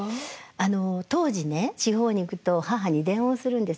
あの当時ね地方に行くと母に電話をするんです。